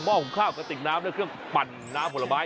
ม่อของข้าวกับติ๊กน้ำและเครื่องปั่นน้ำผลบาย